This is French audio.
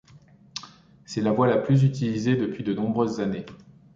C'est la voie la plus utilisée depuis de nombreuses années.